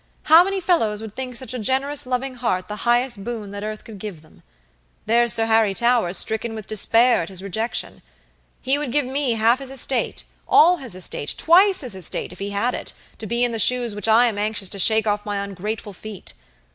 How many fellows would think such a generous, loving heart the highest boon that earth could give them. There's Sir Harry Towers stricken with despair at his rejection. He would give me half his estate, all his estate, twice his estate, if he had it, to be in the shoes which I am anxious to shake off my ungrateful feet.